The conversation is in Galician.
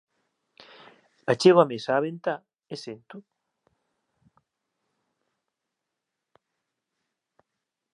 Achego a mesa á ventá e sento.